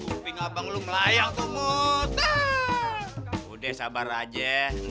udah berdoa bang